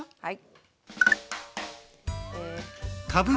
はい。